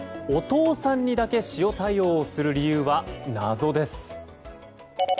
お父さんにだけ塩対応をする理由は謎です。